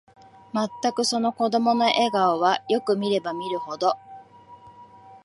まったく、その子供の笑顔は、よく見れば見るほど、